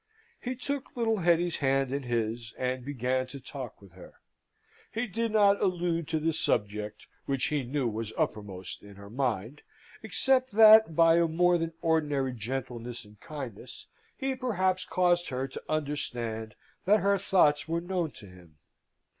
He took little Hetty's hand in his, and began to talk with her. He did not allude to the subject which he knew was uppermost in her mind, except that by a more than ordinary gentleness and kindness he perhaps caused her to understand that her thoughts were known to him.